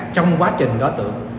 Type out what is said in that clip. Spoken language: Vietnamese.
trong quá trình đối tượng